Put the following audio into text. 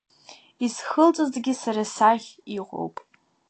Исхылҵызгьы сара сахь иҟоуп.